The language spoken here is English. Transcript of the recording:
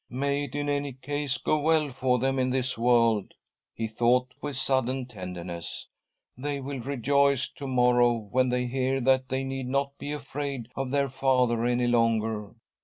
'* May it, in any case, go well for them in this . world I " he thought with sudden tenderness. .." They will rejoice f o morrow when they hear that they need not be afraid of their father any longer.